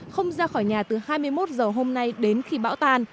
không ra khỏi nhà từ hai mươi một giờ hôm nay đến khi bão tan